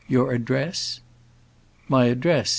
Your address?" "My address?